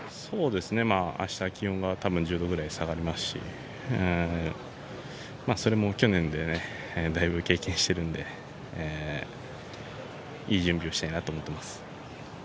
明日、気温が１０度ぐらい下がりますし、それも去年でだいぶ経験してるんで、いい準備をしたいなと思っています。